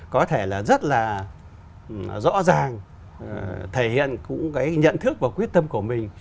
có thể là rất là rõ ràng thể hiện cũng cái nhận thức và quyết tâm của mình